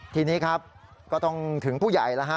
ทีนี้ครับก็ต้องถึงผู้ใหญ่แล้วฮะ